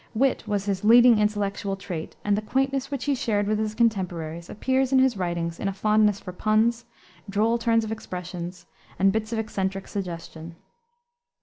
Wit was his leading intellectual trait, and the quaintness which he shared with his contemporaries appears in his writings in a fondness for puns, droll turns of expressions, and bits of eccentric suggestion.